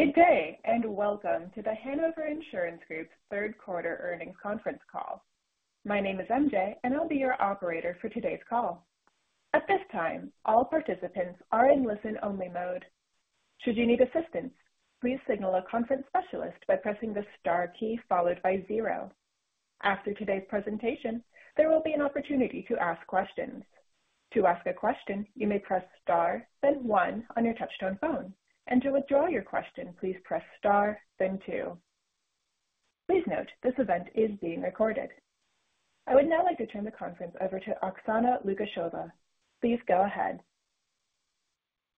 Good day and welcome to the Hanover Insurance Group's third quarter earnings conference call. My name is MJ, and I'll be your operator for today's call. At this time, all participants are in listen-only mode. Should you need assistance, please signal a conference specialist by pressing the star key followed by zero. After today's presentation, there will be an opportunity to ask questions. To ask a question, you may press star, then one on your touch-tone phone. And to withdraw your question, please press star, then two. Please note this event is being recorded. I would now like to turn the conference over to Oksana Lukasheva. Please go ahead.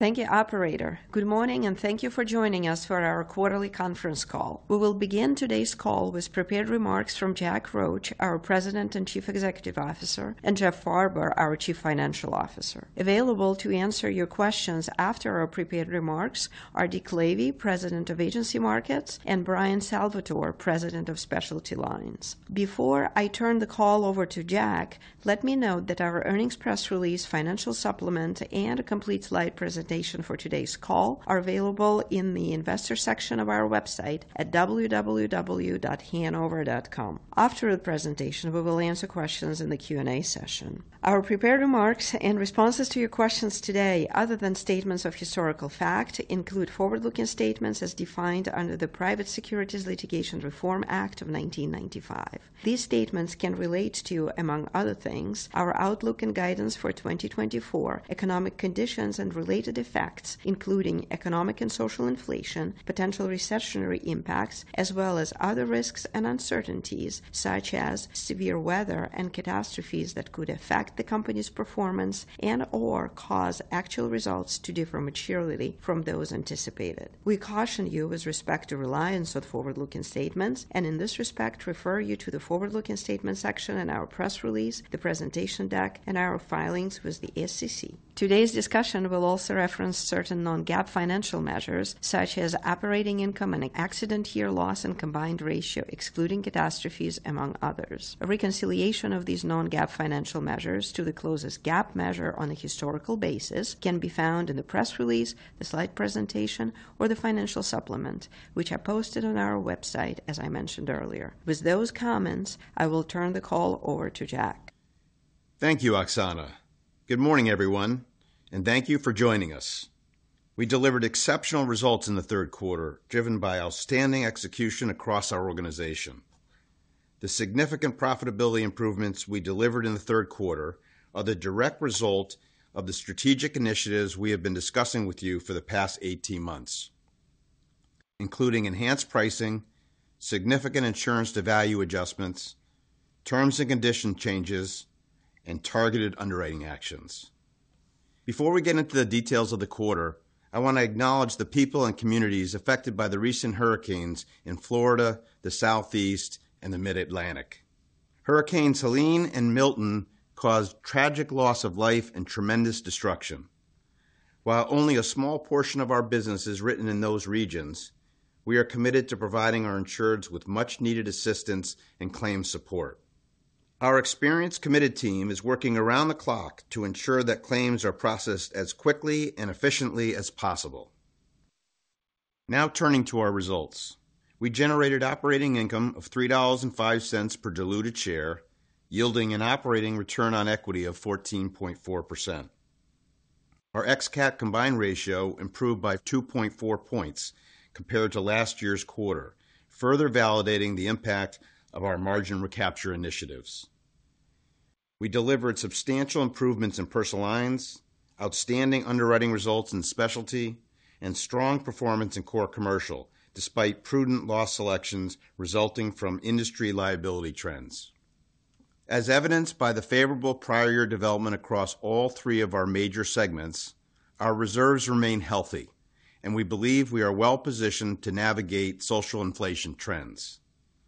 Thank you, operator. Good morning, and thank you for joining us for our quarterly conference call. We will begin today's call with prepared remarks from Jack Roche, our President and Chief Executive Officer, and Jeff Farber, our Chief Financial Officer. Available to answer your questions after our prepared remarks are Dick Lavey, President of Agency Markets, and Bryan Salvatore, President of Specialty Lines. Before I turn the call over to Jack, let me note that our earnings press release, financial supplement, and a complete slide presentation for today's call are available in the investor section of our website at www.hanover.com. After the presentation, we will answer questions in the Q&A session. Our prepared remarks and responses to your questions today, other than statements of historical fact, include forward-looking statements as defined under the Private Securities Litigation Reform Act of 1995. These statements can relate to, among other things, our outlook and guidance for 2024, economic conditions and related effects, including economic and social inflation, potential recessionary impacts, as well as other risks and uncertainties such as severe weather and catastrophes that could affect the company's performance and/or cause actual results to differ materially from those anticipated. We caution you with respect to reliance on forward-looking statements, and in this respect, refer you to the forward-looking statement section in our press release, the presentation deck, and our filings with the SEC. Today's discussion will also reference certain non-GAAP financial measures such as operating income and accident-year loss and combined ratio excluding catastrophes, among others. A reconciliation of these non-GAAP financial measures to the closest GAAP measure on a historical basis can be found in the press release, the slide presentation, or the financial supplement, which are posted on our website, as I mentioned earlier. With those comments, I will turn the call over to Jack. Thank you, Oksana. Good morning, everyone, and thank you for joining us. We delivered exceptional results in the third quarter, driven by outstanding execution across our organization. The significant profitability improvements we delivered in the third quarter are the direct result of the strategic initiatives we have been discussing with you for the past 18 months, including enhanced pricing, significant insurance-to-value adjustments, terms and conditions changes, and targeted underwriting actions. Before we get into the details of the quarter, I want to acknowledge the people and communities affected by the recent hurricanes in Florida, the Southeast, and the Mid-Atlantic. Hurricanes Helene and Milton caused tragic loss of life and tremendous destruction. While only a small portion of our business is written in those regions, we are committed to providing our insureds with much-needed assistance and claims support. Our experienced, committed team is working around the clock to ensure that claims are processed as quickly and efficiently as possible. Now turning to our results, we generated operating income of $3.05 per diluted share, yielding an operating return on equity of 14.4%. Our ex-Cat combined ratio improved by 2.4 points compared to last year's quarter, further validating the impact of our margin recapture initiatives. We delivered substantial improvements in personal lines, outstanding underwriting results in specialty, and strong performance in Core Commercial, despite prudent loss selections resulting from industry liability trends. As evidenced by the favorable prior year development across all three of our major segments, our reserves remain healthy, and we believe we are well-positioned to navigate social inflation trends,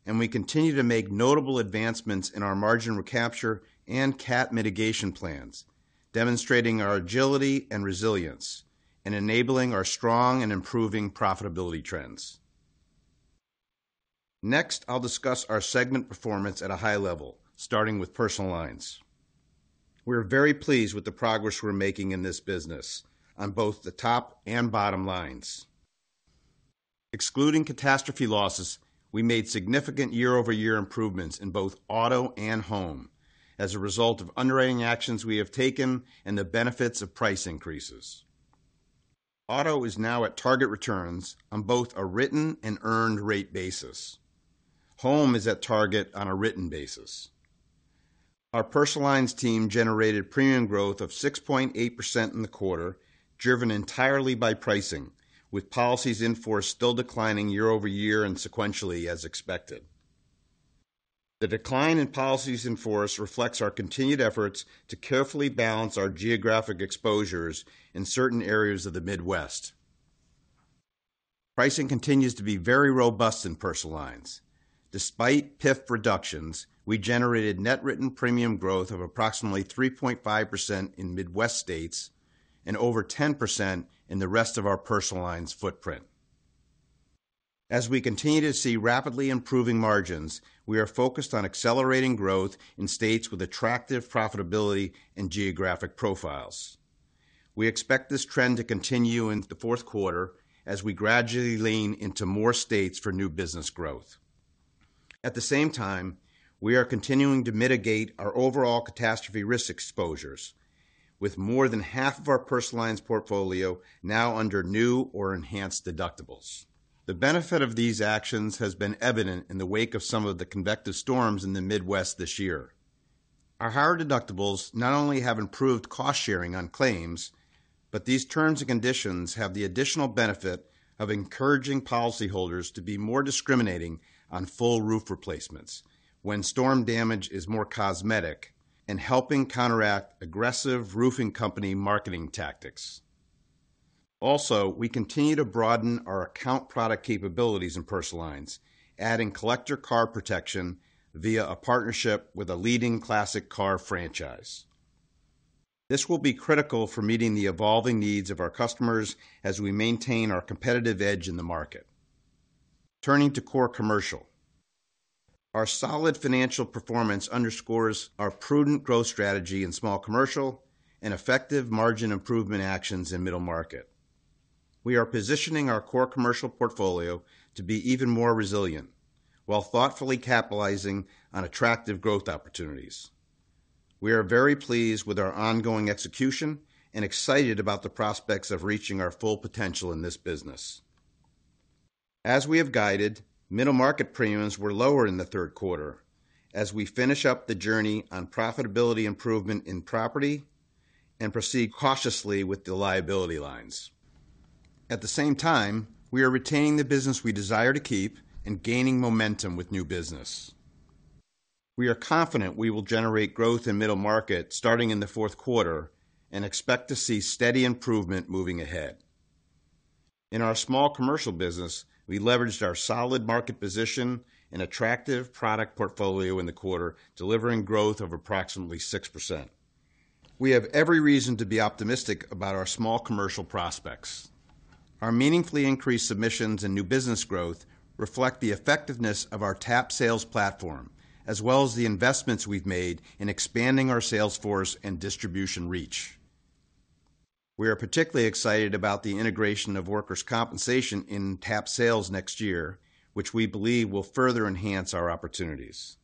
and we continue to make notable advancements in our margin recapture and cat mitigation plans, demonstrating our agility and resilience and enabling our strong and improving profitability trends. Next, I'll discuss our segment performance at a high level, starting with personal lines. We are very pleased with the progress we're making in this business on both the top and bottom lines. Excluding catastrophe losses, we made significant year-over-year improvements in both auto and home as a result of underwriting actions we have taken and the benefits of price increases. Auto is now at target returns on both a written and earned rate basis. Home is at target on a written basis. Our personal lines team generated premium growth of 6.8% in the quarter, driven entirely by pricing, with policies in force still declining year-over-year and sequentially as expected. The decline in policies in force reflects our continued efforts to carefully balance our geographic exposures in certain areas of the Midwest. Pricing continues to be very robust in personal lines. Despite PIF reductions, we generated net written premium growth of approximately 3.5% in Midwest states and over 10% in the rest of our personal lines footprint. As we continue to see rapidly improving margins, we are focused on accelerating growth in states with attractive profitability and geographic profiles. We expect this trend to continue into the fourth quarter as we gradually lean into more states for new business growth. At the same time, we are continuing to mitigate our overall catastrophe risk exposures, with more than half of our personal lines portfolio now under new or enhanced deductibles. The benefit of these actions has been evident in the wake of some of the convective storms in the Midwest this year. Our higher deductibles not only have improved cost sharing on claims, but these terms and conditions have the additional benefit of encouraging policyholders to be more discriminating on full roof replacements when storm damage is more cosmetic and helping counteract aggressive roofing company marketing tactics. Also, we continue to broaden our account product capabilities in personal lines, adding collector car protection via a partnership with a leading classic car franchise. This will be critical for meeting the evolving needs of our customers as we maintain our competitive edge in the market. Turning to Core Commercial, our solid financial performance underscores our prudent growth strategy in small commercial and effective margin improvement actions in middle market. We are positioning our Core Commercial portfolio to be even more resilient while thoughtfully capitalizing on attractive growth opportunities. We are very pleased with our ongoing execution and excited about the prospects of reaching our full potential in this business. As we have guided, middle market premiums were lower in the third quarter as we finish up the journey on profitability improvement in property and proceed cautiously with the liability lines. At the same time, we are retaining the business we desire to keep and gaining momentum with new business. We are confident we will generate growth in middle market starting in the fourth quarter and expect to see steady improvement moving ahead. In our small commercial business, we leveraged our solid market position and attractive product portfolio in the quarter, delivering growth of approximately 6%. We have every reason to be optimistic about our small commercial prospects. Our meaningfully increased submissions and new business growth reflect the effectiveness of our TAP Sales platform, as well as the investments we've made in expanding our sales force and distribution reach. We are particularly excited about the integration of workers' compensation in TAP Sales next year, which we believe will further enhance our opportunities.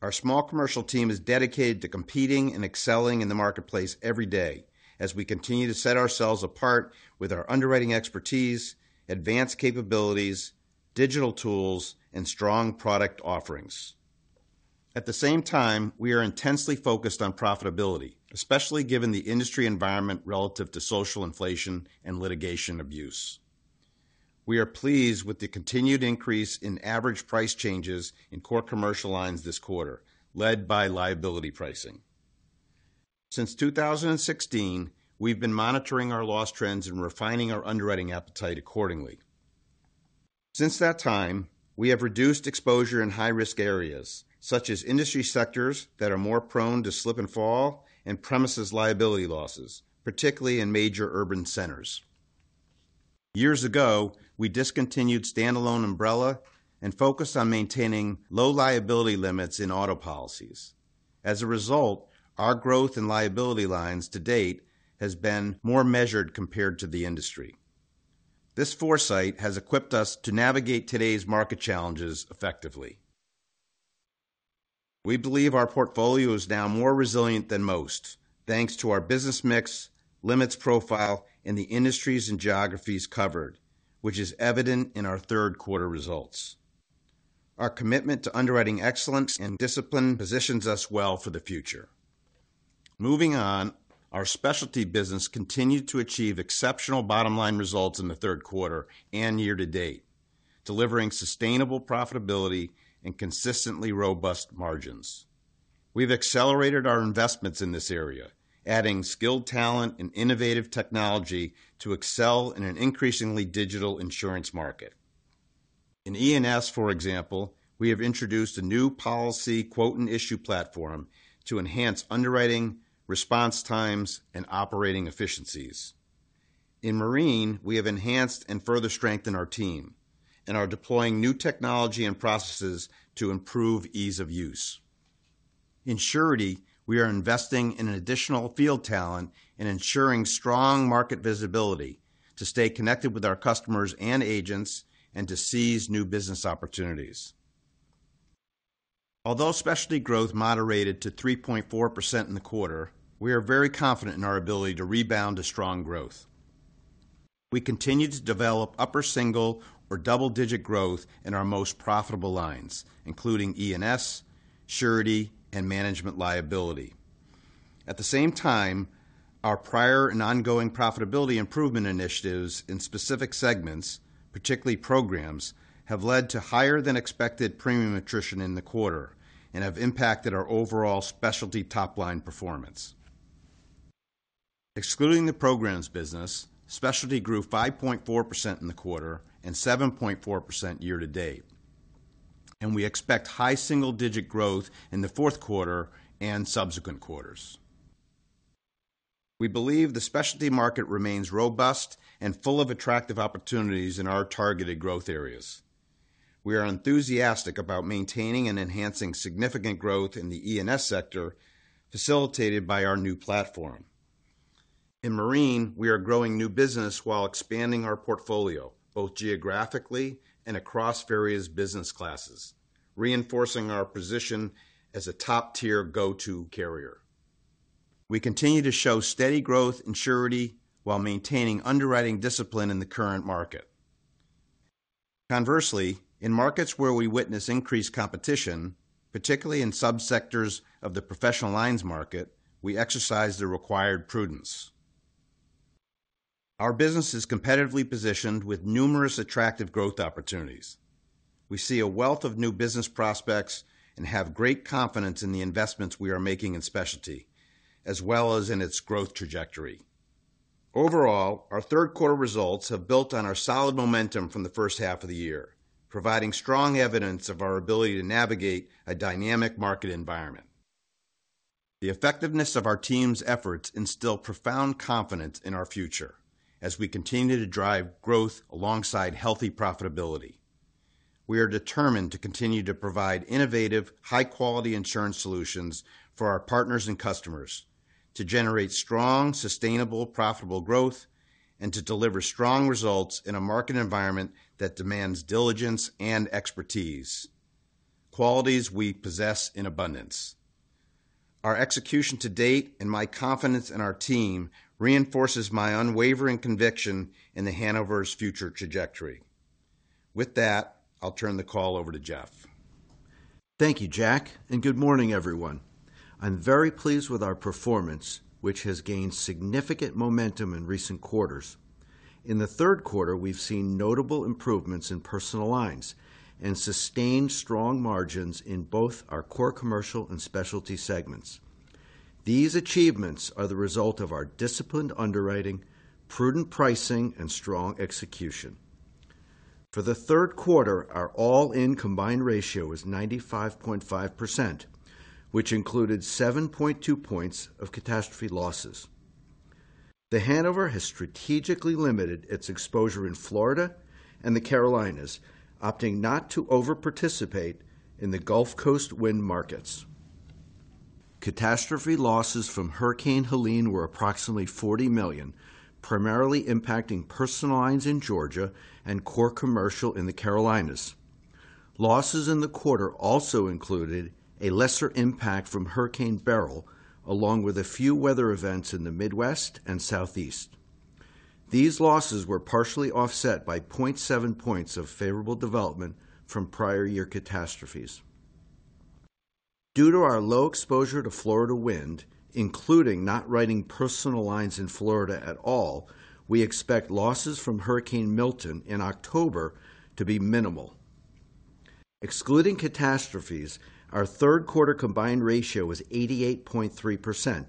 Our Small Commercial team is dedicated to competing and excelling in the marketplace every day as we continue to set ourselves apart with our underwriting expertise, advanced capabilities, digital tools, and strong product offerings. At the same time, we are intensely focused on profitability, especially given the industry environment relative to social inflation and litigation abuse. We are pleased with the continued increase in average price changes in Core Commercial lines this quarter, led by liability pricing. Since 2016, we've been monitoring our loss trends and refining our underwriting appetite accordingly. Since that time, we have reduced exposure in high-risk areas such as industry sectors that are more prone to slip and fall and premises liability losses, particularly in major urban centers. Years ago, we discontinued standalone umbrella and focused on maintaining low liability limits in auto policies. As a result, our growth in liability lines to date has been more measured compared to the industry. This foresight has equipped us to navigate today's market challenges effectively. We believe our portfolio is now more resilient than most, thanks to our business mix, limits profile, and the industries and geographies covered, which is evident in our third quarter results. Our commitment to underwriting excellence and discipline positions us well for the future. Moving on, our specialty business continued to achieve exceptional bottom-line results in the third quarter and year to date, delivering sustainable profitability and consistently robust margins. We've accelerated our investments in this area, adding skilled talent and innovative technology to excel in an increasingly digital insurance market. In E&S, for example, we have introduced a new policy quote and issue platform to enhance underwriting, response times, and operating efficiencies. In Marine, we have enhanced and further strengthened our team and are deploying new technology and processes to improve ease of use. In Surety, we are investing in additional field talent and ensuring strong market visibility to stay connected with our customers and agents and to seize new business opportunities. Although Specialty growth moderated to 3.4% in the quarter, we are very confident in our ability to rebound to strong growth. We continue to develop upper single or double-digit growth in our most profitable lines, including E&S, Surety, and Management Liability. At the same time, our prior and ongoing profitability improvement initiatives in specific segments, particularly programs, have led to higher-than-expected premium attrition in the quarter and have impacted our overall specialty top-line performance. Excluding the programs business, specialty grew 5.4% in the quarter and 7.4% year to date, and we expect high single-digit growth in the fourth quarter and subsequent quarters. We believe the specialty market remains robust and full of attractive opportunities in our targeted growth areas. We are enthusiastic about maintaining and enhancing significant growth in the E&S sector facilitated by our new platform. In Marine, we are growing new business while expanding our portfolio both geographically and across various business classes, reinforcing our position as a top-tier go-to carrier. We continue to show steady growth in Surety while maintaining underwriting discipline in the current market. Conversely, in markets where we witness increased competition, particularly in sub-sectors of the professional lines market, we exercise the required prudence. Our business is competitively positioned with numerous attractive growth opportunities. We see a wealth of new business prospects and have great confidence in the investments we are making in specialty, as well as in its growth trajectory. Overall, our third quarter results have built on our solid momentum from the first half of the year, providing strong evidence of our ability to navigate a dynamic market environment. The effectiveness of our team's efforts instills profound confidence in our future as we continue to drive growth alongside healthy profitability. We are determined to continue to provide innovative, high-quality insurance solutions for our partners and customers to generate strong, sustainable, profitable growth and to deliver strong results in a market environment that demands diligence and expertise, qualities we possess in abundance. Our execution to date and my confidence in our team reinforces my unwavering conviction in The Hanover's future trajectory. With that, I'll turn the call over to Jeff. Thank you, Jack, and good morning, everyone. I'm very pleased with our performance, which has gained significant momentum in recent quarters. In the third quarter, we've seen notable improvements in personal lines and sustained strong margins in both our Core Commercial and specialty segments. These achievements are the result of our disciplined underwriting, prudent pricing, and strong execution. For the third quarter, our all-in combined ratio was 95.5%, which included 7.2 points of catastrophe losses. The Hanover has strategically limited its exposure in Florida and the Carolinas, opting not to over-participate in the Gulf Coast wind markets. Catastrophe losses from Hurricane Helene were approximately $40 million, primarily impacting personal lines in Georgia and Core Commercial in the Carolinas. Losses in the quarter also included a lesser impact from Hurricane Beryl, along with a few weather events in the Midwest and Southeast. These losses were partially offset by 0.7 points of favorable development from prior year catastrophes. Due to our low exposure to Florida wind, including not writing personal lines in Florida at all, we expect losses from Hurricane Milton in October to be minimal. Excluding catastrophes, our third quarter combined ratio was 88.3%,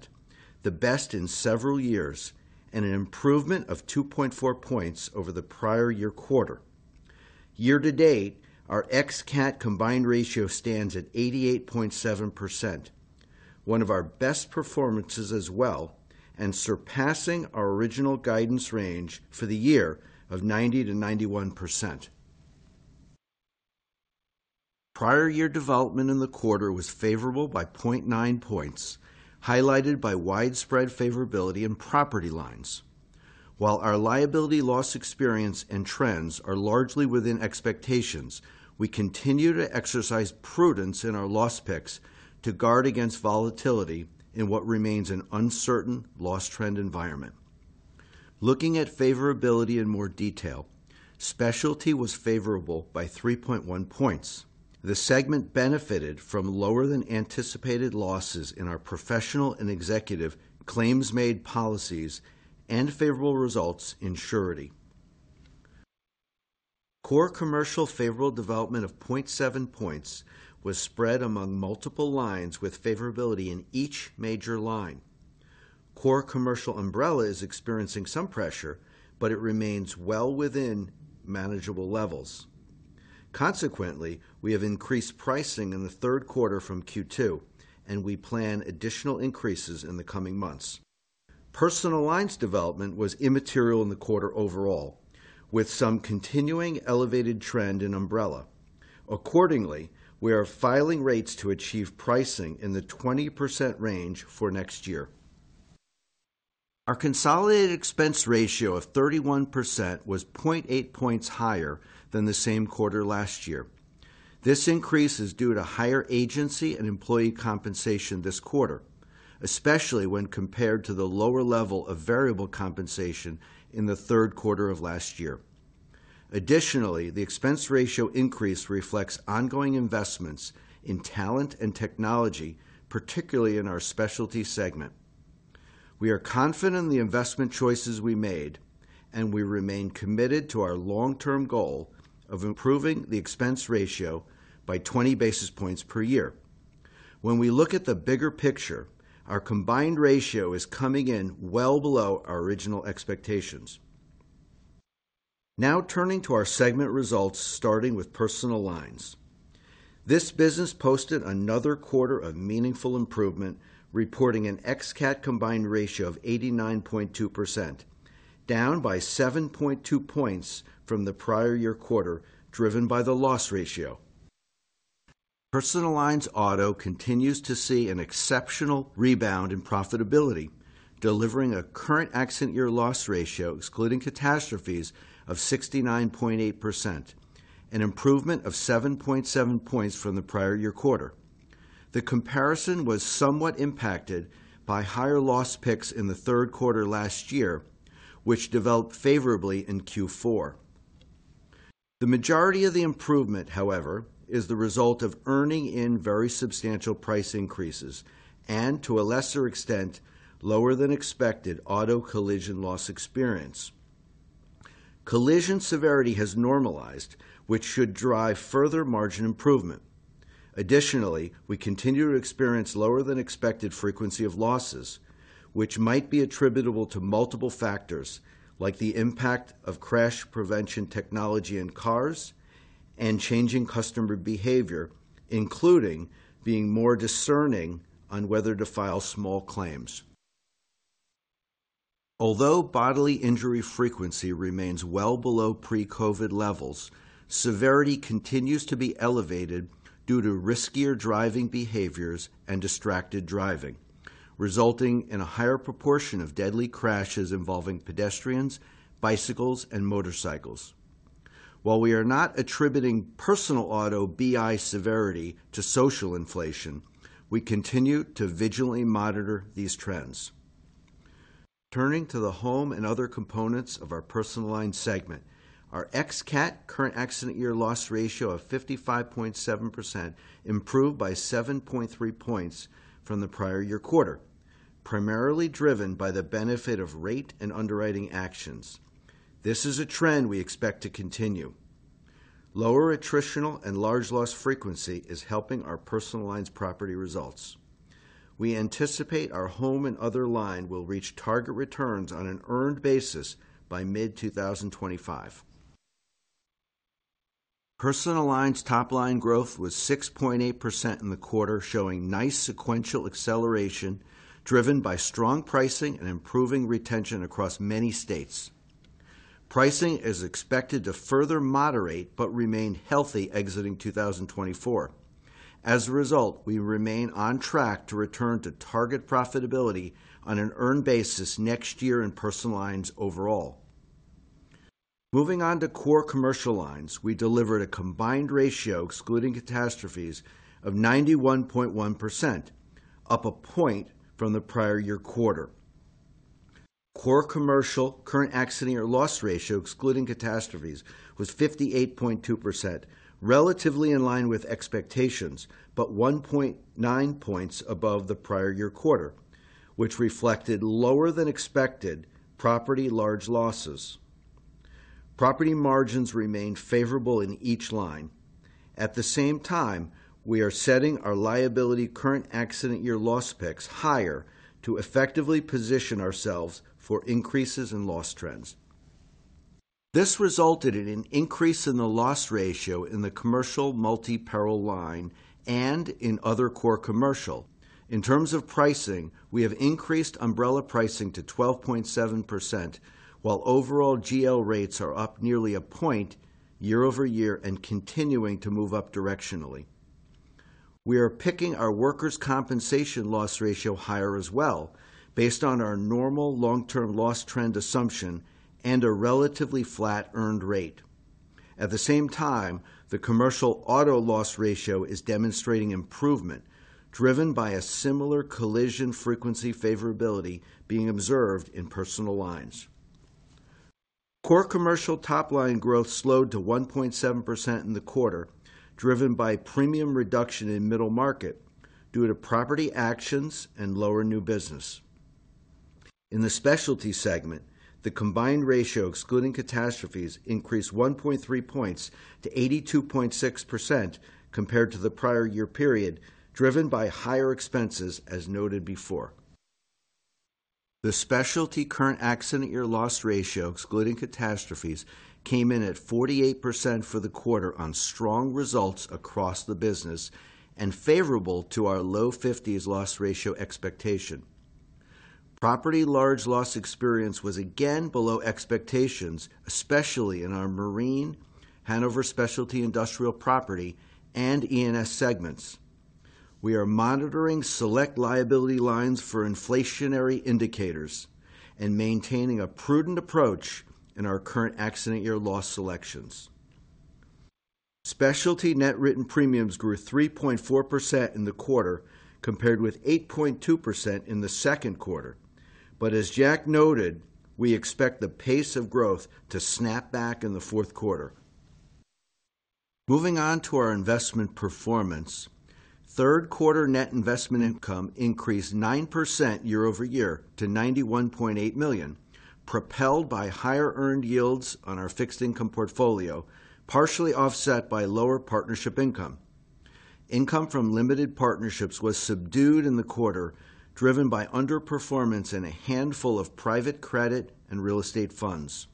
the best in several years and an improvement of 2.4 points over the prior year quarter. Year to date, our ex-cat combined ratio stands at 88.7%, one of our best performances as well, and surpassing our original guidance range for the year of 90%-91%. Prior year development in the quarter was favorable by 0.9 points, highlighted by widespread favorability in property lines. While our liability loss experience and trends are largely within expectations, we continue to exercise prudence in our loss picks to guard against volatility in what remains an uncertain loss trend environment. Looking at favorability in more detail, specialty was favorable by 3.1 points. The segment benefited from lower-than-anticipated losses in our professional and executive claims-made policies and favorable results in surety. Core Commercial favorable development of 0.7 points was spread among multiple lines with favorability in each major line. Core Commercial umbrella is experiencing some pressure, but it remains well within manageable levels. Consequently, we have increased pricing in the third quarter from Q2, and we plan additional increases in the coming months. Personal lines development was immaterial in the quarter overall, with some continuing elevated trend in umbrella. Accordingly, we are filing rates to achieve pricing in the 20% range for next year. Our consolidated expense ratio of 31% was 0.8 points higher than the same quarter last year. This increase is due to higher agency and employee compensation this quarter, especially when compared to the lower level of variable compensation in the third quarter of last year. Additionally, the expense ratio increase reflects ongoing investments in talent and technology, particularly in our specialty segment. We are confident in the investment choices we made, and we remain committed to our long-term goal of improving the expense ratio by 20 basis points per year. When we look at the bigger picture, our combined ratio is coming in well below our original expectations. Now turning to our segment results, starting with personal lines. This business posted another quarter of meaningful improvement, reporting an ex-CAT combined ratio of 89.2%, down by 7.2 points from the prior year quarter driven by the loss ratio. Personal lines auto continues to see an exceptional rebound in profitability, delivering a current exit year loss ratio, excluding catastrophes, of 69.8%, an improvement of 7.7 points from the prior year quarter. The comparison was somewhat impacted by higher loss picks in the third quarter last year, which developed favorably in Q4. The majority of the improvement, however, is the result of earning in very substantial price increases and, to a lesser extent, lower-than-expected auto collision loss experience. Collision severity has normalized, which should drive further margin improvement. Additionally, we continue to experience lower-than-expected frequency of losses, which might be attributable to multiple factors like the impact of crash prevention technology in cars and changing customer behavior, including being more discerning on whether to file small claims. Although bodily injury frequency remains well below pre-COVID levels, severity continues to be elevated due to riskier driving behaviors and distracted driving, resulting in a higher proportion of deadly crashes involving pedestrians, bicycles, and motorcycles. While we are not attributing personal auto BI severity to social inflation, we continue to vigilantly monitor these trends. Turning to the home and other components of our personal line segment, our ex-CAT current exit year loss ratio of 55.7% improved by 7.3 points from the prior year quarter, primarily driven by the benefit of rate and underwriting actions. This is a trend we expect to continue. Lower attritional and large loss frequency is helping our personal lines property results. We anticipate our home and other line will reach target returns on an earned basis by mid-2025. Personal lines top-line growth was 6.8% in the quarter, showing nice sequential acceleration driven by strong pricing and improving retention across many states. Pricing is expected to further moderate but remain healthy exiting 2024. As a result, we remain on track to return to target profitability on an earned basis next year in personal lines overall. Moving on to Core Commercial lines, we delivered a combined ratio, excluding catastrophes, of 91.1%, up a point from the prior year quarter. Core Commercial current exit year loss ratio, excluding catastrophes, was 58.2%, relatively in line with expectations but 1.9 points above the prior year quarter, which reflected lower-than-expected property large losses. Property margins remain favorable in each line. At the same time, we are setting our liability current exit year loss picks higher to effectively position ourselves for increases in loss trends. This resulted in an increase in the loss ratio in the commercial multi-peril line and in other Core Commercial. In terms of pricing, we have increased umbrella pricing to 12.7%, while overall GL rates are up nearly a point year-over-year and continuing to move up directionally. We are picking our workers' compensation loss ratio higher as well based on our normal long-term loss trend assumption and a relatively flat earned rate. At the same time, the commercial auto loss ratio is demonstrating improvement, driven by a similar collision frequency favorability being observed in personal lines. Core Commercial top-line growth slowed to 1.7% in the quarter, driven by premium reduction in middle market due to property actions and lower new business. In the specialty segment, the combined ratio, excluding catastrophes, increased 1.3 points to 82.6% compared to the prior year period, driven by higher expenses as noted before. The Specialty current accident year loss ratio, excluding catastrophes, came in at 48% for the quarter on strong results across the business and favorable to our low 50s loss ratio expectation. Property large loss experience was again below expectations, especially in our Marine, Hanover Specialty Industrial Property, and E&S segments. We are monitoring select liability lines for inflationary indicators and maintaining a prudent approach in our current accident year loss selections. Specialty net written premiums grew 3.4% in the quarter compared with 8.2% in the second quarter. But as Jack noted, we expect the pace of growth to snap back in the fourth quarter. Moving on to our investment performance, third quarter net investment income increased 9% year-over-year to $91.8 million, propelled by higher earned yields on our fixed income portfolio, partially offset by lower partnership income. Income from limited partnerships was subdued in the quarter, driven by underperformance in a handful of private credit and real estate funds.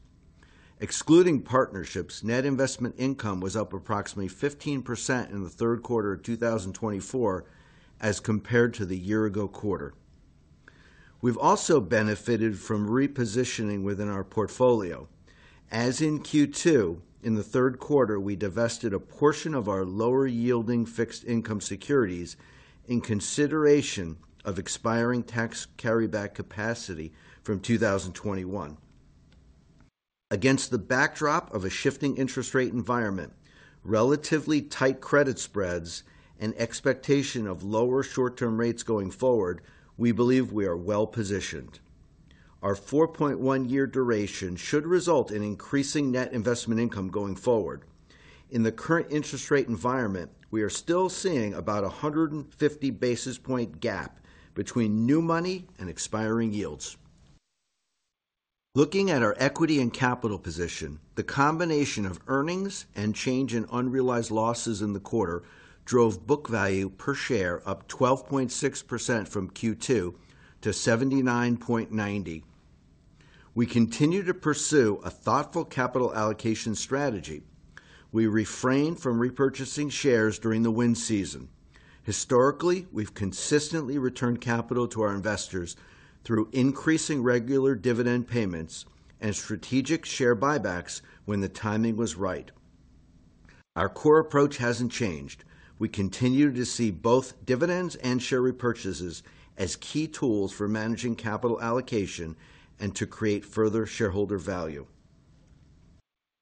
Excluding partnerships, net investment income was up approximately 15% in the third quarter of 2024 as compared to the year-ago quarter. We've also benefited from repositioning within our portfolio. As in Q2, in the third quarter, we divested a portion of our lower-yielding fixed income securities in consideration of expiring tax carryback capacity from 2021. Against the backdrop of a shifting interest rate environment, relatively tight credit spreads, and expectation of lower short-term rates going forward, we believe we are well positioned. Our 4.1-year duration should result in increasing net investment income going forward. In the current interest rate environment, we are still seeing about a 150 basis point gap between new money and expiring yields. Looking at our equity and capital position, the combination of earnings and change in unrealized losses in the quarter drove book value per share up 12.6% from Q2 to $79.90. We continue to pursue a thoughtful capital allocation strategy. We refrain from repurchasing shares during the wind season. Historically, we've consistently returned capital to our investors through increasing regular dividend payments and strategic share buybacks when the timing was right. Our Core approach hasn't changed. We continue to see both dividends and share repurchases as key tools for managing capital allocation and to create further shareholder value.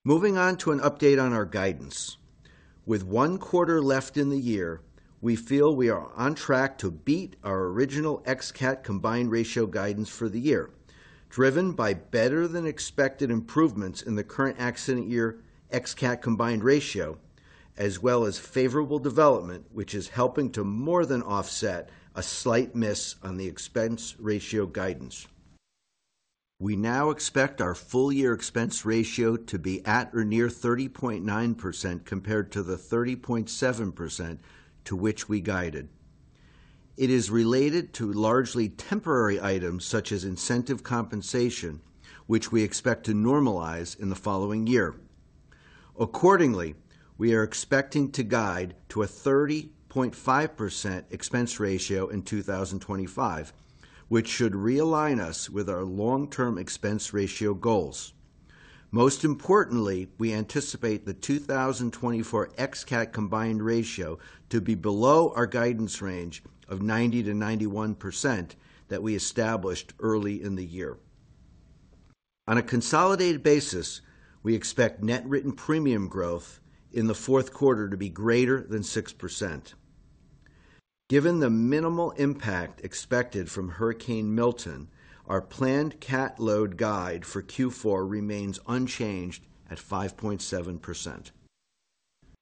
Moving on to an update on our guidance. With one quarter left in the year, we feel we are on track to beat our original ex-CAT combined ratio guidance for the year, driven by better-than-expected improvements in the current exit year ex-CAT combined ratio, as well as favorable development, which is helping to more than offset a slight miss on the expense ratio guidance. We now expect our full-year expense ratio to be at or near 30.9% compared to the 30.7% to which we guided. It is related to largely temporary items such as incentive compensation, which we expect to normalize in the following year. Accordingly, we are expecting to guide to a 30.5% expense ratio in 2025, which should realign us with our long-term expense ratio goals. Most importantly, we anticipate the 2024 ex-CAT combined ratio to be below our guidance range of 90%-91% that we established early in the year. On a consolidated basis, we expect net written premium growth in the fourth quarter to be greater than 6%. Given the minimal impact expected from Hurricane Milton, our planned cat load guide for Q4 remains unchanged at 5.7%.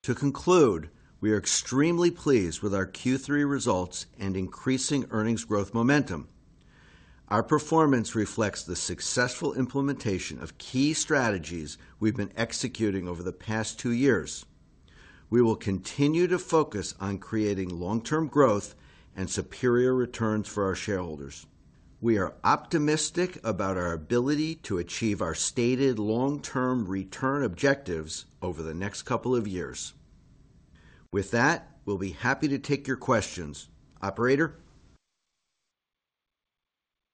To conclude, we are extremely pleased with our Q3 results and increasing earnings growth momentum. Our performance reflects the successful implementation of key strategies we've been executing over the past two years. We will continue to focus on creating long-term growth and superior returns for our shareholders. We are optimistic about our ability to achieve our stated long-term return objectives over the next couple of years. With that, we'll be happy to take your questions, Operator.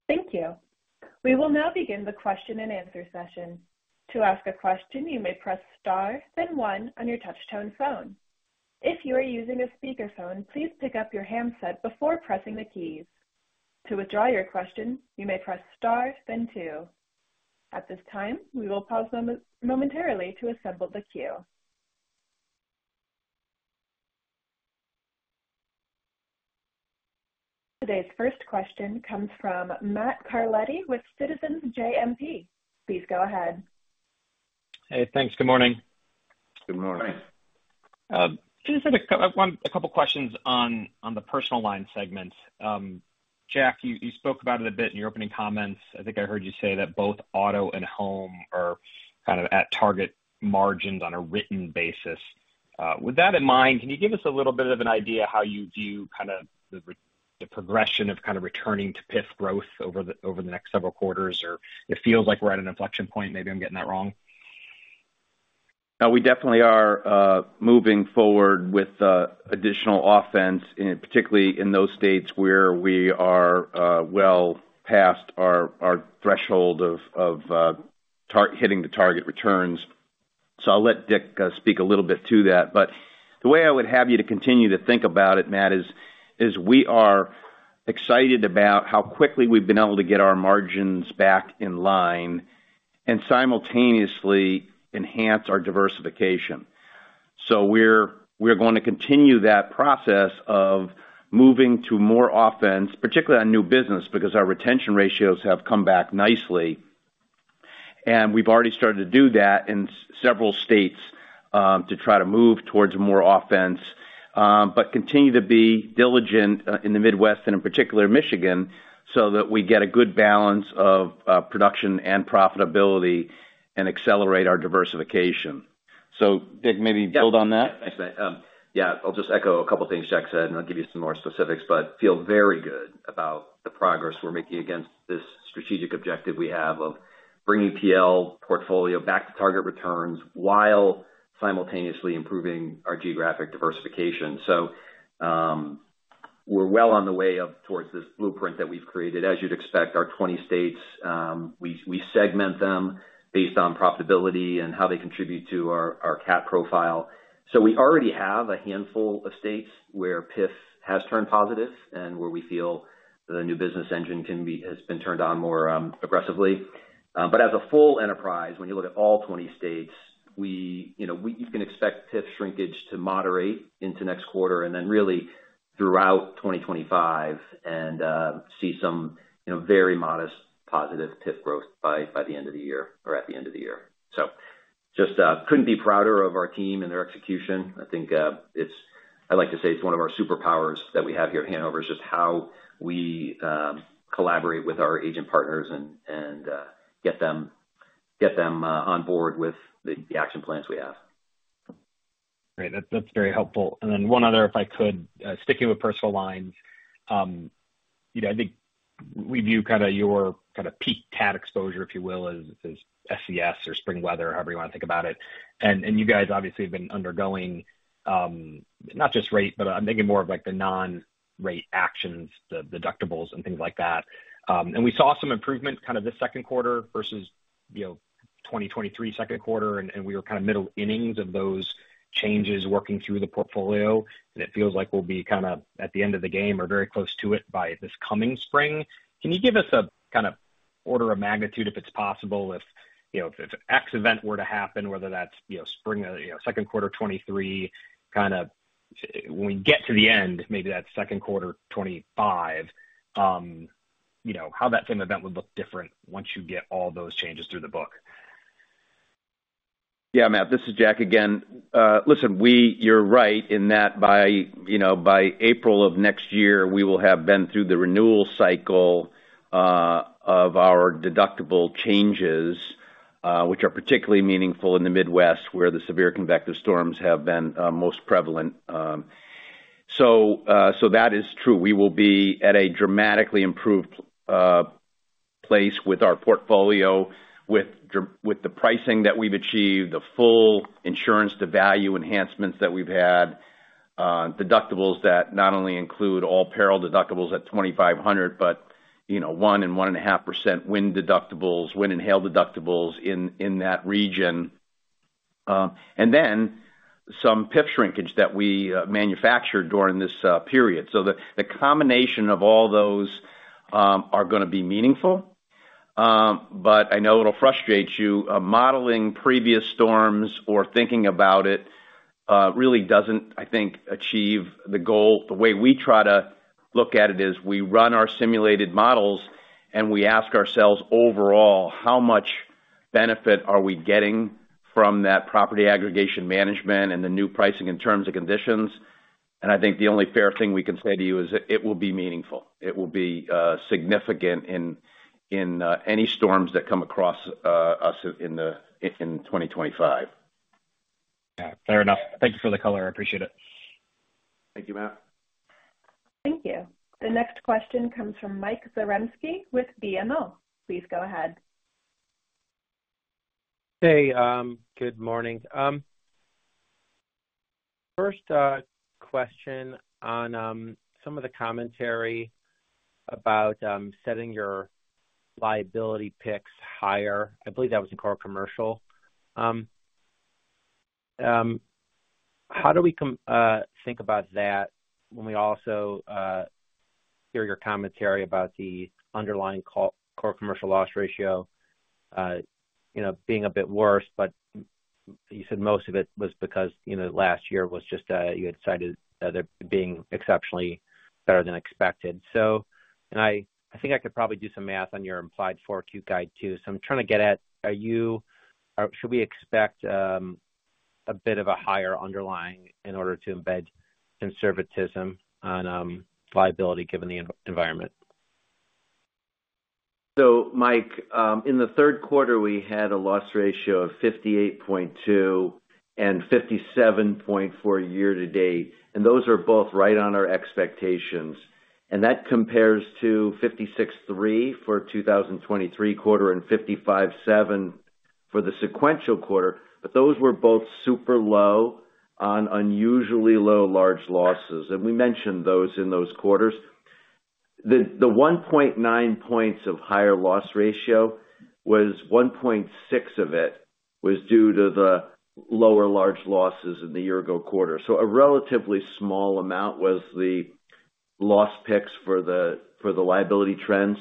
Thank you. We will now begin the question-and-answer session. To ask a question, you may press star then one on your touch-tone phone. If you are using a speakerphone, please pick up your handset before pressing the keys. To withdraw your question, you may press star then two. At this time, we will pause momentarily to assemble the queue. Today's first question comes from Matt Carletti with Citizens JMP. Please go ahead. Hey, thanks. Good morning. Good morning. Just a couple of questions on the personal line segment. Jack, you spoke about it a bit in your opening comments. I think I heard you say that both auto and home are kind of at target margins on a written basis. With that in mind, can you give us a little bit of an idea how you view kind of the progression of kind of returning to PIF growth over the next several quarters? Or it feels like we're at an inflection point. Maybe I'm getting that wrong. We definitely are moving forward with additional offense, particularly in those states where we are well past our threshold of hitting the target returns. So I'll let Dick speak a little bit to that. But the way I would have you to continue to think about it, Matt, is we are excited about how quickly we've been able to get our margins back in line and simultaneously enhance our diversification. So we're going to continue that process of moving to more offense, particularly on new business, because our retention ratios have come back nicely. And we've already started to do that in several states to try to move towards more offense, but continue to be diligent in the Midwest and in particular Michigan so that we get a good balance of production and profitability and accelerate our diversification. So Dick, maybe build on that. Yeah, I'll just echo a couple of things Jack said, and I'll give you some more specifics, but I feel very good about the progress we're making against this strategic objective we have of bringing PL portfolio back to target returns while simultaneously improving our geographic diversification. So we're well on the way towards this blueprint that we've created. As you'd expect, our 20 states, we segment them based on profitability and how they contribute to our cat profile. So we already have a handful of states where PIF has turned positive and where we feel the new business engine has been turned on more aggressively. But as a full enterprise, when you look at all 20 states, you can expect PIF shrinkage to moderate into next quarter and then really throughout 2025 and see some very modest positive PIF growth by the end of the year or at the end of the year. So just couldn't be prouder of our team and their execution. I think I like to say it's one of our superpowers that we have here at Hanover, just how we collaborate with our agent partners and get them on board with the action plans we have. Great. That's very helpful. And then one other, if I could, sticking with personal lines, I think we view kind of your kind of peak cat exposure, if you will, as SCS or spring weather, however you want to think about it. You guys obviously have been undergoing not just rate, but I'm thinking more of like the non-rate actions, the deductibles, and things like that. We saw some improvement kind of this second quarter versus 2023 second quarter, and we were kind of middle innings of those changes working through the portfolio. It feels like we'll be kind of at the end of the game or very close to it by this coming spring. Can you give us a kind of order of magnitude, if it's possible, if X event were to happen, whether that's spring second quarter 2023, kind of when we get to the end, maybe that second quarter 2025, how that same event would look different once you get all those changes through the book? Yeah, Matt, this is Jack again. Listen, you're right in that by April of next year, we will have been through the renewal cycle of our deductible changes, which are particularly meaningful in the Midwest where the severe convective storms have been most prevalent. So that is true. We will be at a dramatically improved place with our portfolio, with the pricing that we've achieved, the full insurance-to-value enhancements that we've had, deductibles that not only include all peril deductibles at $2,500, but 1% and 1.5% wind deductibles, wind and hail deductibles in that region, and then some PIF shrinkage that we manufactured during this period. So the combination of all those are going to be meaningful. But I know it'll frustrate you. Modeling previous storms or thinking about it really doesn't, I think, achieve the goal. The way we try to look at it is we run our simulated models and we ask ourselves overall, how much benefit are we getting from that property aggregation management and the new pricing in terms of conditions? And I think the only fair thing we can say to you is it will be meaningful. It will be significant in any storms that come across us in 2025. Yeah, fair enough. Thank you for the color. I appreciate it. Thank you, Matt. Thank you. The next question comes from Mike Zaremski with BMO. Please go ahead. Hey, good morning. First question on some of the commentary about setting your liability picks higher. I believe that was in Core Commercial. How do we think about that when we also hear your commentary about the underlying Core Commercial loss ratio being a bit worse? But you said most of it was because last year was just you had cited there being exceptionally better than expected. And I think I could probably do some math on your implied Q4 guide too. So I'm trying to get at, should we expect a bit of a higher underlying in order to embed conservatism on liability given the environment? So, Mike, in the third quarter, we had a loss ratio of 58.2% and 57.4% year to date. And those are both right on our expectations. And that compares to 56.3% for 2023 quarter and 55.7% for the sequential quarter. But those were both super low on unusually low large losses. And we mentioned those in those quarters. The 1.9 points of higher loss ratio was 1.6 of it was due to the lower large losses in the year-ago quarter. A relatively small amount was the loss picks for the liability trends.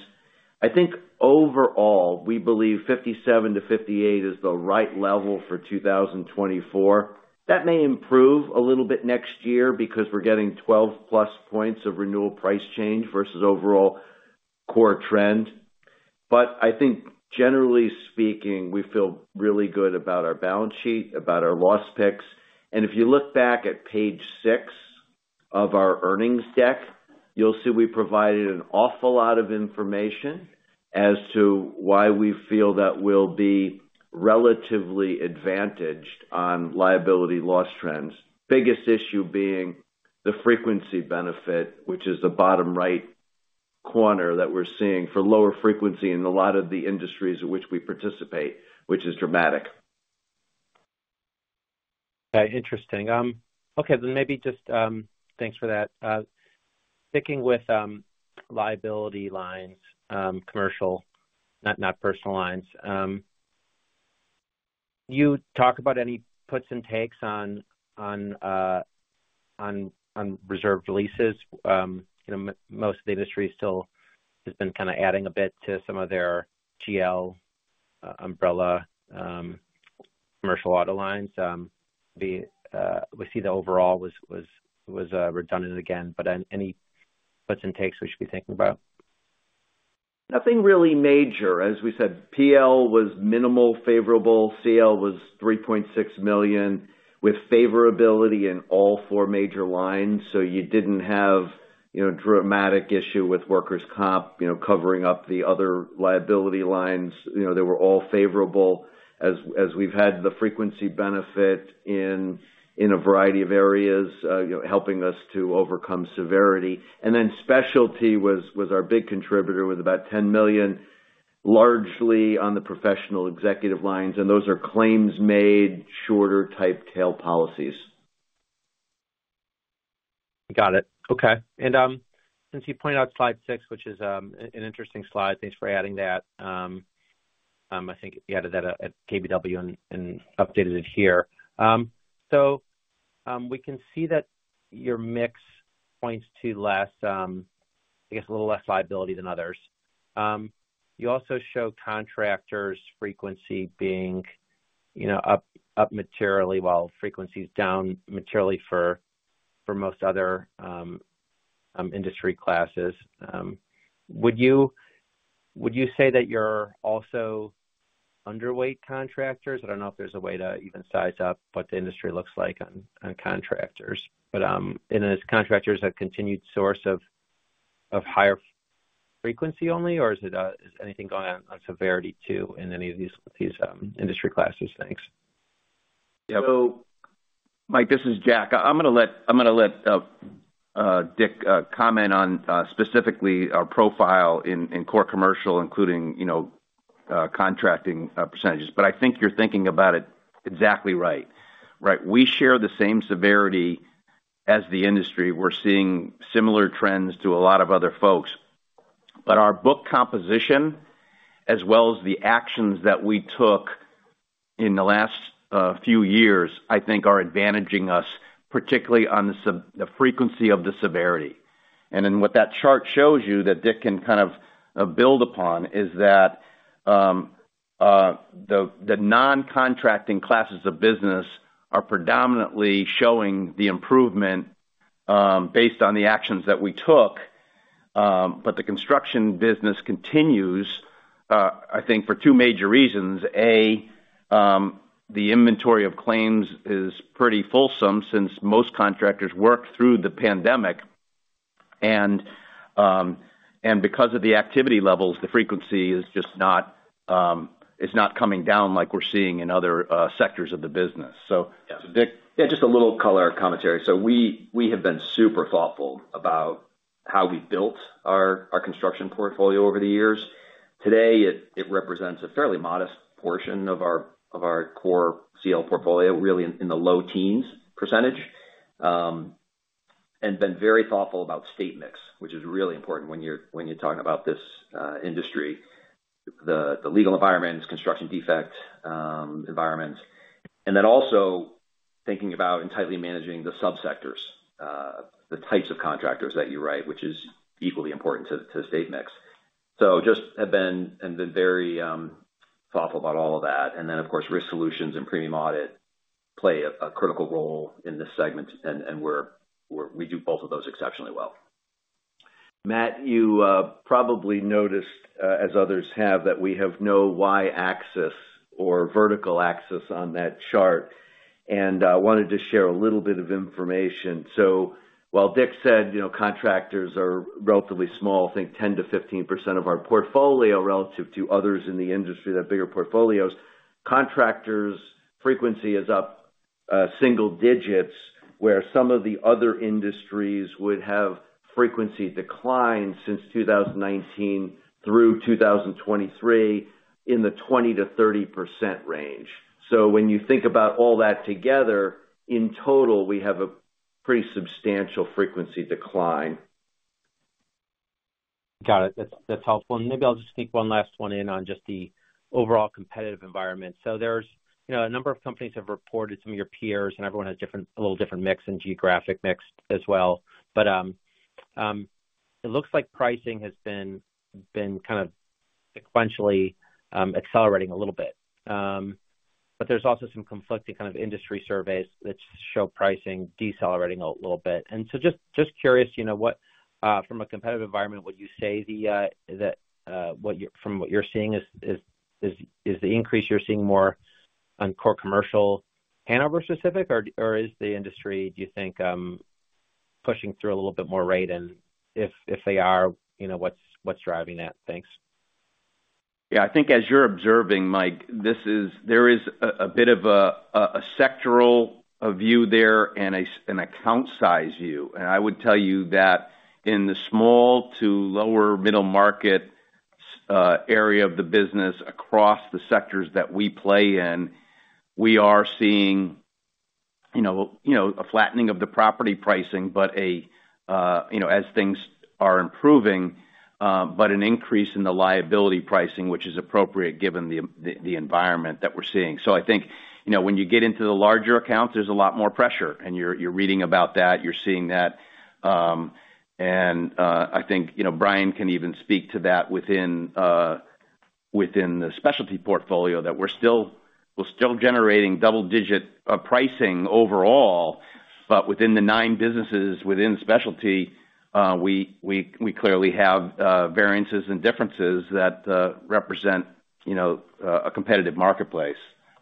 I think overall, we believe 57%-58% is the right level for 2024. That may improve a little bit next year because we're getting 12-plus points of renewal price change versus overall Core trend. But I think, generally speaking, we feel really good about our balance sheet, about our loss picks. And if you look back at page six of our earnings deck, you'll see we provided an awful lot of information as to why we feel that we'll be relatively advantaged on liability loss trends. Biggest issue being the frequency benefit, which is the bottom right corner that we're seeing for lower frequency in a lot of the industries at which we participate, which is dramatic. Interesting. Okay, then maybe just thanks for that. Sticking with liability lines, commercial, not personal lines, you talk about any puts and takes on reserves. Most of the industry still has been kind of adding a bit to some of their GL umbrella commercial auto lines. We see the overall was redundant again. But any puts and takes we should be thinking about? Nothing really major. As we said, PL was minimal, favorable. CL was $3.6 million with favorability in all four major lines. So you didn't have a dramatic issue with workers' comp covering up the other liability lines. They were all favorable as we've had the frequency benefit in a variety of areas, helping us to overcome severity. And then specialty was our big contributor with about $10 million, largely on the professional executive lines. And those are claims-made shorter-type tail policies. Got it. Okay. And since you point out slide six, which is an interesting slide, thanks for adding that. I think you added that at KBW and updated it here. So we can see that your mix points to less, I guess, a little less liability than others. You also show contractors' frequency being up materially while frequency is down materially for most other industry classes. Would you say that you're also underweight contractors? I don't know if there's a way to even size up what the industry looks like on contractors. But are contractors a continued source of higher frequency only, or is anything going on severity too in any of these industry classes? Thanks. So Mike, this is Jack. I'm going to let Dick comment on specifically our profile in Core Commercial, including contractors percentages. But I think you're thinking about it exactly right. Right. We share the same severity as the industry. We're seeing similar trends to a lot of other folks. But our book composition, as well as the actions that we took in the last few years, I think are advantaging us, particularly on the frequency of the severity. And then what that chart shows you that Dick can kind of build upon is that the non-construction classes of business are predominantly showing the improvement based on the actions that we took. But the construction business continues, I think, for two major reasons. A, the inventory of claims is pretty fulsome since most contractors worked through the pandemic. And because of the activity levels, the frequency is just not coming down like we're seeing in other sectors of the business. So Dick, yeah, just a little color commentary. So we have been super thoughtful about how we built our construction portfolio over the years. Today, it represents a fairly modest portion of our Core CL portfolio, really in the low teens %. And been very thoughtful about state mix, which is really important when you're talking about this industry, the legal environments, construction defect environments. And then also thinking about and tightly managing the subsectors, the types of contractors that you write, which is equally important to state mix. So just have been very thoughtful about all of that. And then, of course, risk solutions and premium audit play a critical role in this segment, and we do both of those exceptionally well. Make, you probably noticed, as others have, that we have no Y-axis or vertical axis on that chart. And I wanted to share a little bit of information. So, while Dick said contractors are relatively small, I think 10%-15% of our portfolio relative to others in the industry, the bigger portfolios, contractors' frequency is up single digits, where some of the other industries would have frequency declined since 2019 through 2023 in the 20%-30% range. So when you think about all that together, in total, we have a pretty substantial frequency decline. Got it. That's helpful, and maybe I'll just sneak one last one in on just the overall competitive environment, so a number of companies have reported some of your peers, and everyone has a little different mix and geographic mix as well, but it looks like pricing has been kind of sequentially accelerating a little bit, but there's also some conflicting kind of industry surveys that show pricing decelerating a little bit. And so just curious, from a competitive environment, would you say that from what you're seeing is the increase you're seeing more on Core Commercial Hanover-specific, or is the industry, do you think, pushing through a little bit more rate? And if they are, what's driving that? Thanks. Yeah, I think as you're observing, Mike, there is a bit of a sectoral view there and an account size view. And I would tell you that in the small to lower middle market area of the business across the sectors that we play in, we are seeing a flattening of the property pricing, but as things are improving, but an increase in the liability pricing, which is appropriate given the environment that we're seeing. So I think when you get into the larger accounts, there's a lot more pressure. And you're reading about that. You're seeing that. I think Bryan can even speak to that within the specialty portfolio that we're still generating double-digit pricing overall. But within the nine businesses within specialty, we clearly have variances and differences that represent a competitive marketplace.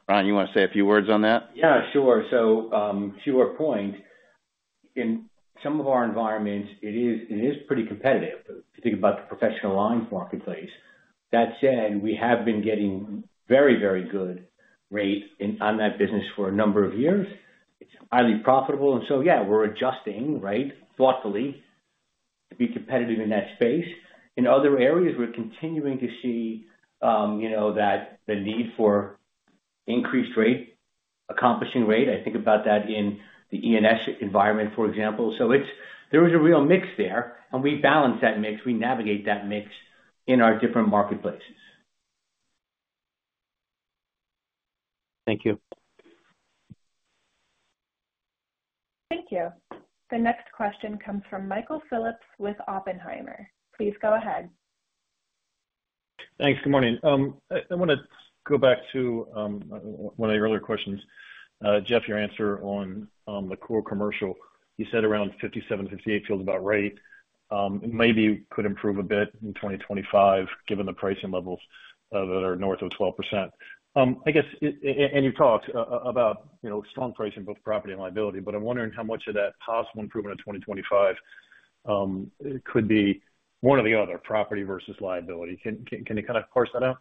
Bryan, you want to say a few words on that? Yeah, sure. So to your point, in some of our environments, it is pretty competitive if you think about the professional lines marketplace. That said, we have been getting very, very good rate on that business for a number of years. It's highly profitable. And so, yeah, we're adjusting, right, thoughtfully to be competitive in that space. In other areas, we're continuing to see the need for increased rate, accomplishing rate. I think about that in the E&S environment, for example. So there is a real mix there. And we balance that mix. We navigate that mix in our different marketplaces. Thank you. Thank you. The next question comes from Michael Phillips with Oppenheimer. Please go ahead. Thanks. Good morning. I want to go back to one of the earlier questions. Jeff, your answer on the Core Commercial, you said around 57, 58 feels about right. Maybe could improve a bit in 2025 given the pricing levels that are north of 12%. I guess, and you talked about strong pricing, both property and liability. But I'm wondering how much of that possible improvement in 2025 could be one or the other, property versus liability. Can you kind of parse that out?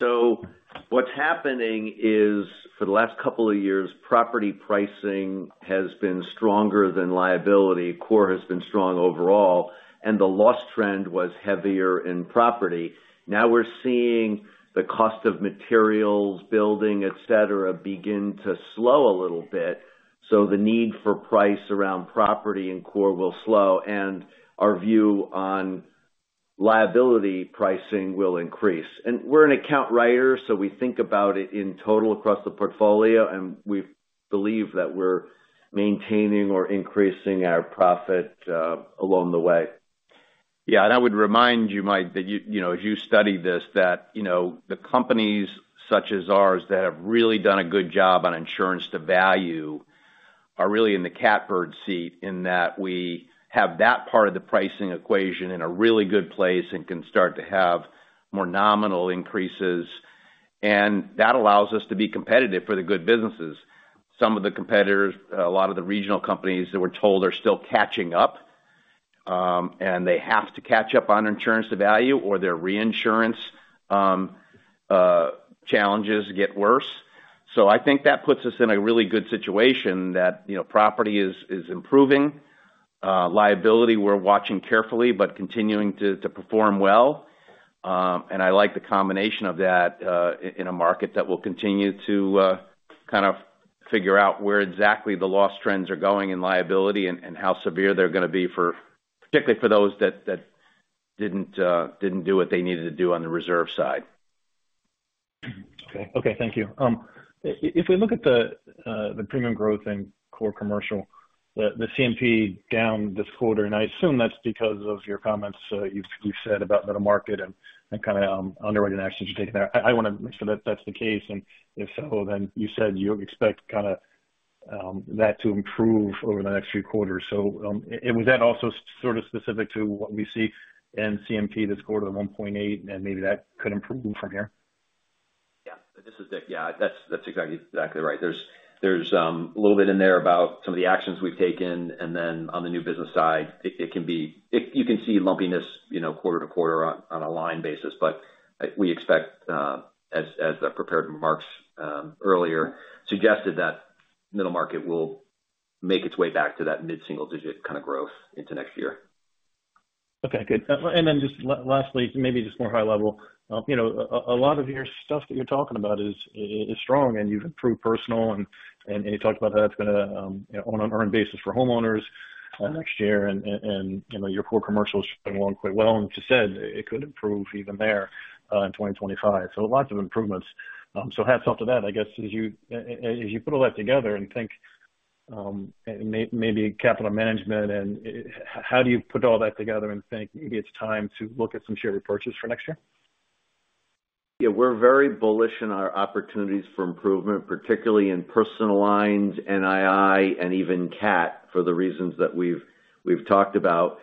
So what's happening is for the last couple of years, property pricing has been stronger than liability. Core has been strong overall. And the loss trend was heavier in property. Now we're seeing the cost of materials, building, etc., begin to slow a little bit. So the need for price around property and Core will slow, and our view on liability pricing will increase, and we're an account writer, so we think about it in total across the portfolio. And we believe that we're maintaining or increasing our profit along the way. Yeah. And I would remind you, Mike, that as you study this, that the companies such as ours that have really done a good job on insurance to value are really in the catbird seat in that we have that part of the pricing equation in a really good place and can start to have more nominal increases. And that allows us to be competitive for the good businesses. Some of the competitors, a lot of the regional companies that we're told are still catching up. And they have to catch up on insurance to value, or their reinsurance challenges get worse. So I think that puts us in a really good situation that property is improving. Liability, we're watching carefully, but continuing to perform well. And I like the combination of that in a market that will continue to kind of figure out where exactly the loss trends are going in liability and how severe they're going to be, particularly for those that didn't do what they needed to do on the reserve side. Okay. Okay. Thank you. If we look at the premium growth in Core Commercial, the CMP down this quarter. And I assume that's because of your comments you've said about the market and kind of underwriting actions you're taking there. I want to make sure that that's the case. And if so, then you said you expect kind of that to improve over the next few quarters. So was that also sort of specific to what we see in CMP this quarter of 1.8? And maybe that could improve from here? Yeah. This is Dick. Yeah. That's exactly right. There's a little bit in there about some of the actions we've taken. And then on the new business side, it can be you can see lumpiness quarter-to-quarter on a line basis. But we expect, as the prepared remarks earlier suggested, that middle market will make its way back to that mid-single digit kind of growth into next year. Okay. Good. And then just lastly, maybe just more high level, a lot of your stuff that you're talking about is strong. And you've improved personal. And you talked about how that's going to, on an earned basis for homeowners next year. And your Core Commercial has been going quite well. And as you said, it could improve even there in 2025. So lots of improvements. So hats off to that, I guess, as you put all that together and think maybe capital management. And how do you put all that together and think maybe it's time to look at some share repurchase for next year? Yeah. We're very bullish in our opportunities for improvement, particularly in personal lines, NII, and even CAT for the reasons that we've talked about.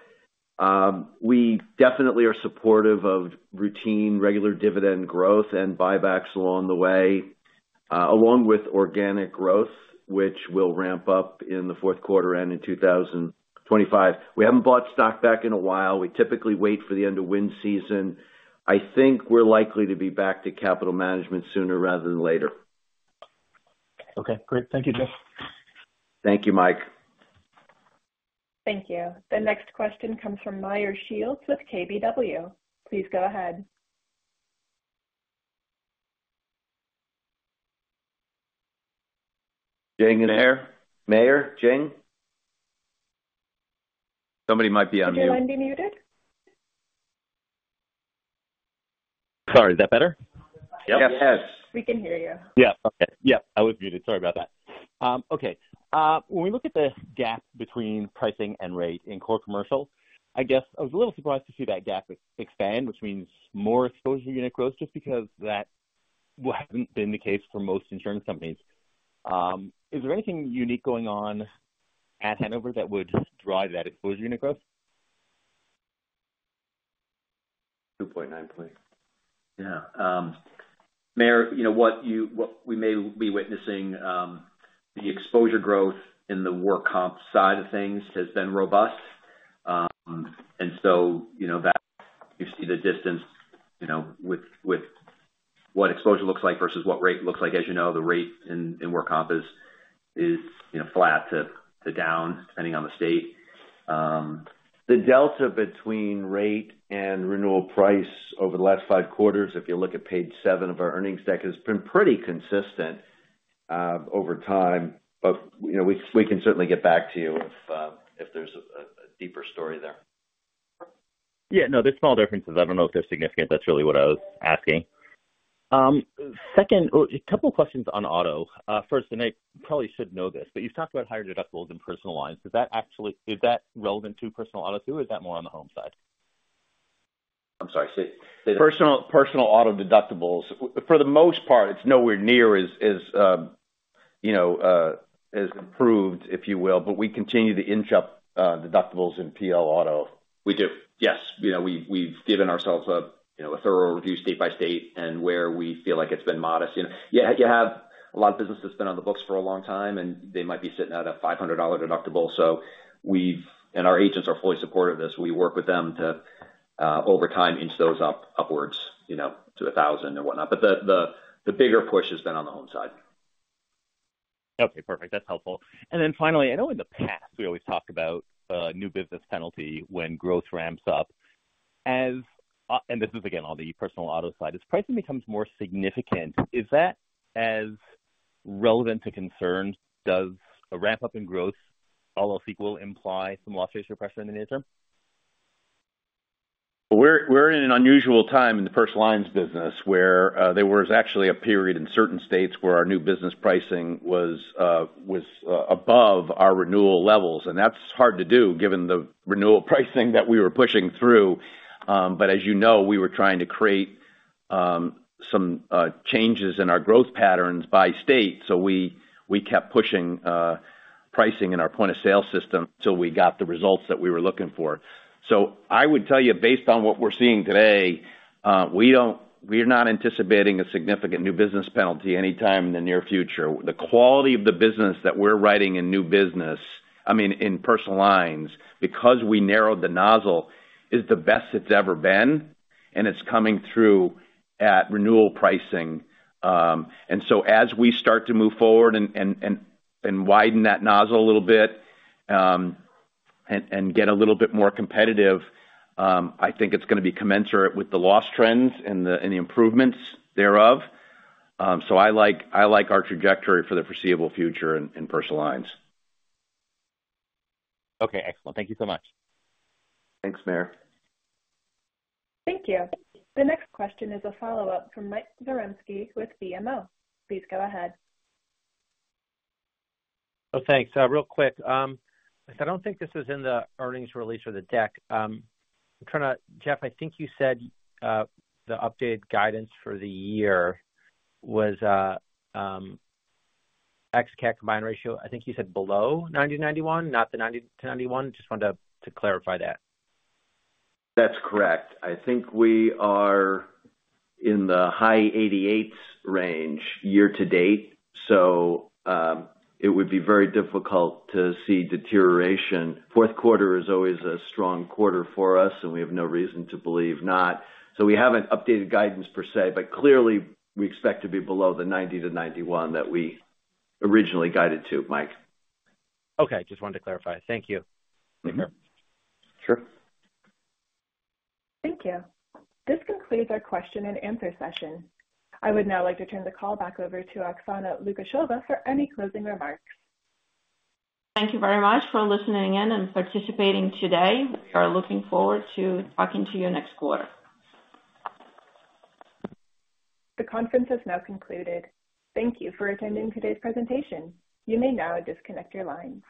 We definitely are supportive of routine regular dividend growth and buybacks along the way, along with organic growth, which will ramp up in the fourth quarter and in 2025. We haven't bought stock back in a while. We typically wait for the end of wind season. I think we're likely to be back to capital management sooner rather than later. Okay. Great. Thank you, Jeff. Thank you, Mike. Thank you. The next question comes from Meyer Shields with KBW. Please go ahead. You in there? Meyer Shields? Somebody might be on mute. Is anyone muted? Sorry. Is that better? Yep. Yes. We can hear you. Yeah. Okay. Yep. I was muted. Sorry about that. Okay. When we look at the gap between pricing and rate in Core Commercial, I guess I was a little surprised to see that gap expand, which means more exposure unit growth, just because that hasn't been the case for most insurance companies. Is there anything unique going on at Hanover that would drive that exposure unit growth? 2.9 point. Yeah. Meyer, what we may be witnessing, the exposure growth in the work comp side of things has been robust. And so you see the distance with what exposure looks like versus what rate looks like. As you know, the rate in work comp is flat to down, depending on the state. The delta between rate and renewal price over the last five quarters, if you look at page seven of our earnings deck, has been pretty consistent over time. But we can certainly get back to you if there's a deeper story there. Yeah. No, there's small differences. I don't know if they're significant. That's really what I was asking. Second, a couple of questions on auto. First, and I probably should know this, but you've talked about higher deductibles in personal lines. Is that relevant to personal auto too, or is that more on the home side? I'm sorry. Say that. Personal auto deductibles, for the most part, it's nowhere near as improved, if you will. But we continue to inch up deductibles in PL auto. We do. Yes. We've given ourselves a thorough review, state by state, and where we feel like it's been modest. Yeah, you have a lot of business that's been on the books for a long time, and they might be sitting at a $500 deductible, and our agents are fully supportive of this. We work with them to, over time, inch those up upwards to 1,000 and whatnot, but the bigger push has been on the home side. Okay. Perfect. That's helpful, and then finally, I know in the past we always talk about new business penalty when growth ramps up, and this is, again, on the personal auto side. As pricing becomes more significant, is that as relevant to concerns? Does a ramp up in growth almost equal imply some loss ratio pressure in the near term? We're in an unusual time in the personal lines business where there was actually a period in certain states where our new business pricing was above our renewal levels. And that's hard to do given the renewal pricing that we were pushing through. But as you know, we were trying to create some changes in our growth patterns by state. So we kept pushing pricing in our point of sale system until we got the results that we were looking for. So I would tell you, based on what we're seeing today, we're not anticipating a significant new business penalty anytime in the near future. The quality of the business that we're writing in new business, I mean, in personal lines, because we narrowed the nozzle, is the best it's ever been. And it's coming through at renewal pricing. And so as we start to move forward and widen that nozzle a little bit and get a little bit more competitive, I think it's going to be commensurate with the loss trends and the improvements thereof. So I like our trajectory for the foreseeable future in personal lines. Okay. Excellent. Thank you so much. Thanks, Meyer. Thank you. The next question is a follow-up from Mike Zarembski with BMO. Please go ahead. Oh, thanks. Real quick. I don't think this is in the earnings release or the deck. Jeff, I think you said the updated guidance for the year was ex-cat combined ratio. I think you said below 90 to 91, not the 90 to 91. Just wanted to clarify that. That's correct. I think we are in the high 88s range year to date. So it would be very difficult to see deterioration. Fourth quarter is always a strong quarter for us, and we have no reason to believe not. So we haven't updated guidance per se. But clearly, we expect to be below the 90%-91% that we originally guided to, Mike. Okay. Just wanted to clarify. Thank you. Sure. Thank you. This concludes our question-and-answer session. I would now like to turn the call back over to Oksana Lukasheva for any closing remarks. Thank you very much for listening in and participating today. We are looking forward to talking to you next quarter. The conference has now concluded. Thank you for attending today's presentation. You may now disconnect your lines.